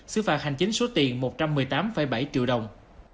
xứ phạt hành chính số tiền một trăm một mươi tám bảy triệu đồng